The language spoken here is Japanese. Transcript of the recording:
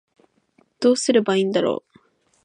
どうすればいいんだろう